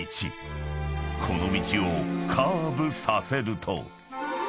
［この道をカーブさせると］